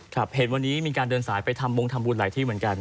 เห็นวันนี้มีการเดินสายไปทำบงทำบุญหลายที่เหมือนกัน